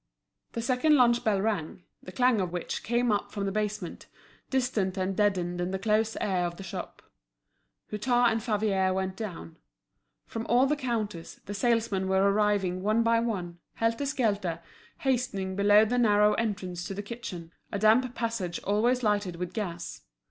The second lunch bell rang, the clang of which came up from the basement, distant and deadened in the close air of the shop. Hutin and Favier went down. From all the counters, the salesmen were arriving one by one, helter skelter, hastening below to the narrow entrance to the kitchen, a damp passage always lighted with gas.